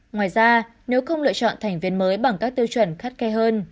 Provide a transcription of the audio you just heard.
ngoài ra nếu không lựa chọn thành viên mới bằng các tiêu chuẩn khắt khe hơn